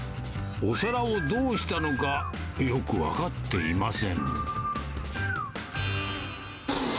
お皿をどうしたのか、よく分かっていません。